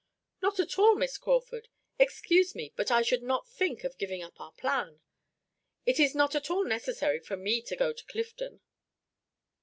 "Not at all, Miss Crawford. Excuse me, but I should not think of giving up our plan. It is not at all necessary for me to go to Clifton."